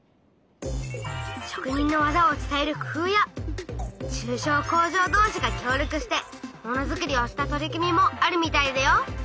職人の技を伝える工夫や中小工場同士が協力して物作りをした取り組みもあるみたいだよ！